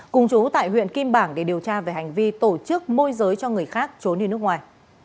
cùng chú tại huyện kim bảng để điều tra về hành vi tổ chức môi giới cho người khác trốn đi nước ngoài